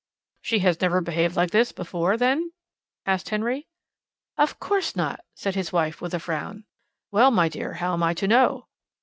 "She has never behaved like this before, then?" asked Henry. "Of course not!" said his wife, with a frown. "Well, my dear, how am I to know?"